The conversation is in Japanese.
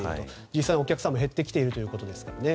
実際、お客さんも減ってきているということですからね。